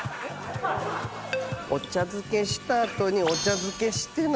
お茶漬けした後にお茶漬けしてないやつ